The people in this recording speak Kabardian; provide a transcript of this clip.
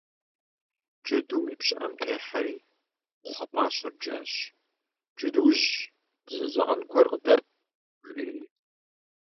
Джэдум и пщыӏэм техьэри, кхъуэпӏащэр джащ: - Джэдуужь, дызэдзэкъэн гуэр къыдэт, - жери.